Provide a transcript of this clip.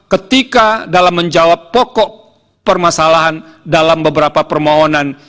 ketika dalam menjawab pokok permasalahan dalam beberapa permohonan